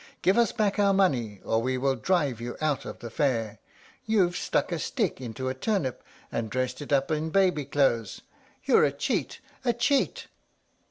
Give us back our money, or we will drive you out of the fair. You've stuck a stick into a turnip, and dressed it up in baby clothes. You're a cheat! a cheat!"